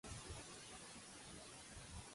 Algun cop s'han exposat a Madrid?